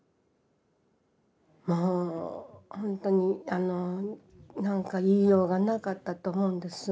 もうほんとになんか言いようがなかったと思うんです。